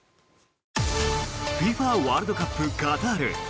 ＦＩＦＡワールドカップカタール。